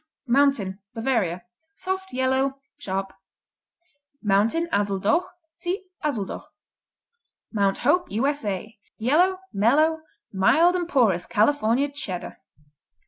Mountain Bavaria Soft; yellow; sharp. Mountain, Azuldoch see Azuldoch. Mount Hope U.S.A. Yellow; mellow; mild and porous California Cheddar.